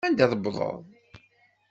Anda i tewwḍeḍ?